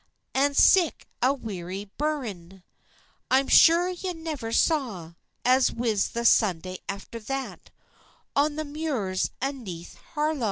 An sic a weary buryin, I'm sure ye never saw, As wis the Sunday after that, On the muirs aneath Harlaw.